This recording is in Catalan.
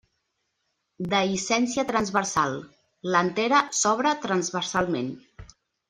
Dehiscència transversal: l'antera s'obre transversalment.